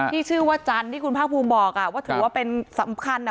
ที่ชื่อว่าจันทร์ที่คุณภาคภูมิบอกว่าถือว่าเป็นสำคัญอ่ะ